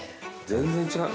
全然違う。